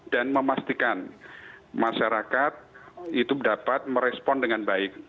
dan memastikan masyarakat itu dapat merespon dengan baik